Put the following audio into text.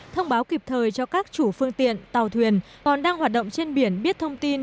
thông báo kịp thời cho các chủ phương tiện tàu thuyền còn đang hoạt động trên biển biết thông tin